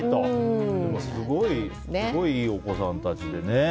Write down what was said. すごいいいお子さんたちでね。